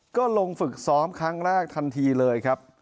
ก็ลงฝึกซ้อมครั้งแรกทันทีเลยครับ